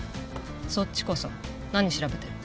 そっちこそ何調べてる？